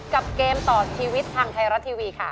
เกมต่อชีวิตทางไทยรัฐทีวีค่ะ